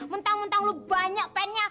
mentang mentang lo banyak pennya